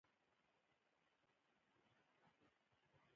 د پښتو ادب ډیر بډایه دی.